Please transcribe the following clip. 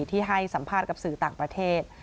ที่ให้สัมภาษณ์กับสื่อต่างประเทศ